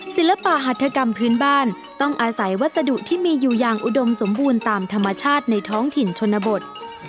ศิลปหัฐกรรมพื้นบ้านต้องอาศัยวัสดุที่มีอยู่อย่างอุดมสมบูรณ์ตามธรรมชาติในท้องถิ่นชนบท